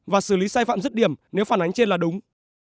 và xử lý sai phạm rứt điểm nếu phản ánh trên là đúng